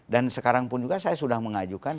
dan sekarang pun juga saya sudah mengajukan